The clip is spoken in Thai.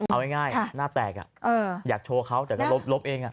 เอาง่ายหน้าแตกอยากโชว์เขาแต่ก็ลบเอง